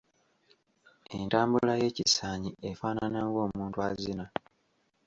Entambula y’ekisaanyi efaanana ng’omuntu azina.